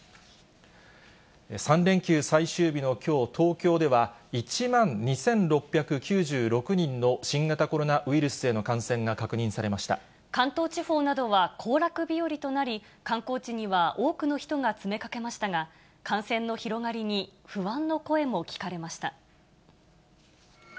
３連休最終日のきょう、東京では１万２６９６人の新型コロナウイルスへの感染が確認され関東地方などは、行楽日和となり、観光地には多くの人が詰めかけましたが、感染の広がりに不安の声も聞かれました。